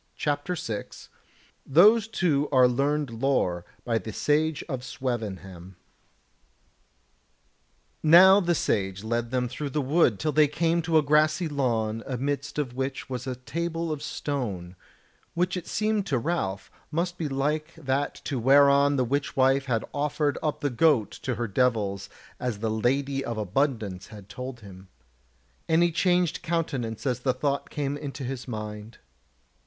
CHAPTER 6 Those Two Are Learned Lore by the Sage of Swevenham Now the Sage led them through the wood till they came to a grassy lawn amidst of which was a table of stone, which it seemed to Ralph must be like to that whereon the witch wife had offered up the goat to her devils as the Lady of Abundance had told him; and he changed countenance as the thought came into his mind.